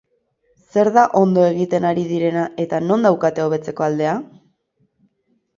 Zer da ondo egiten ari direna eta non daukate hobetzeko aldea?